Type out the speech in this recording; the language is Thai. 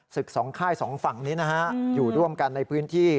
สองค่ายสองฝั่งนี้นะฮะอยู่ร่วมกันในพื้นที่